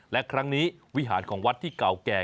และครั้งนี้วิหารของวัดที่เก่าแก่